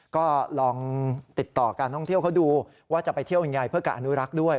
ก็ลองติดต่อการท่องเที่ยวเขาดูว่าจะไปเที่ยวยังไงเพื่อการอนุรักษ์ด้วย